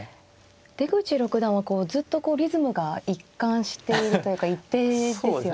出口六段はこうずっとリズムが一貫しているというか一定ですよね。